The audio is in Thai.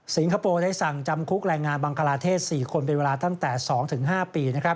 คโปร์ได้สั่งจำคุกแรงงานบังคลาเทศ๔คนเป็นเวลาตั้งแต่๒๕ปี